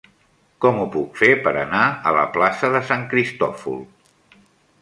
Com ho puc fer per anar a la plaça de Sant Cristòfol?